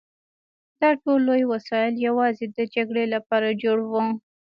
دا ټول لوی وسایل یوازې د جګړې لپاره جوړ وو